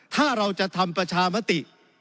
ถ้าเราจะทำประชามติ